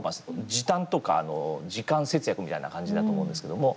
時短とか、時間節約みたいな感じだと思うんですけども。